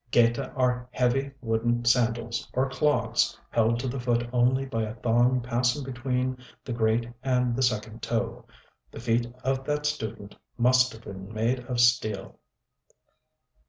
Geta are heavy wooden sandals, or clogs, held to the foot only by a thong passing between the great and the second toe. The feet of that student must have been made of steel!